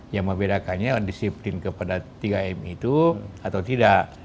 yang membedakannya disiplin kepada tiga m itu atau tidak